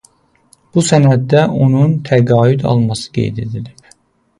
Bu sənəddə onun təqaüd alması qeyd edilib.